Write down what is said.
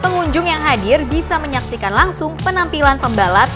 pengunjung yang hadir bisa menyaksikan langsung penampilan pembalap